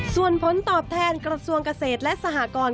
ส่วนผลตอบแทนกระทรวงเกษตรและสหกร